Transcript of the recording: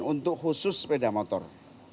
untuk khusus sepeda motor